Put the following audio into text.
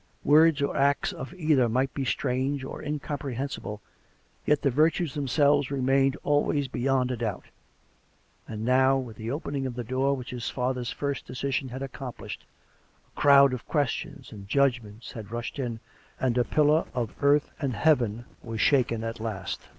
Words or acts of either might be strange or incomprehensible, yet the virtues themselves remained always beyond a doubt; and now, with the opening of the door which his father's first decision had accomplished, a crowd of questions and judg ments had rusrhed in, and a pillar of earth and heaven was shaken at last.